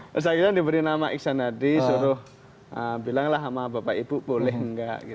terus akhirnya diberi nama iksan hadi suruh bilanglah sama bapak ibu boleh nggak